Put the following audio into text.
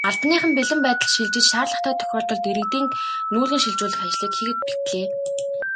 Албаныхан бэлэн байдалд шилжиж, шаардлагатай тохиолдолд иргэдийг нүүлгэн шилжүүлэх ажлыг хийхэд бэлдлээ.